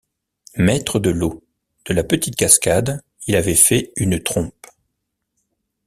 Maître de l’eau ; de la petite cascade, il avait fait une trompe.